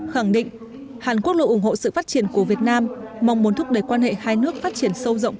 khẳng định hàn quốc luôn ủng hộ sự phát triển của việt nam mong muốn thúc đẩy quan hệ hai nước phát triển sâu rộng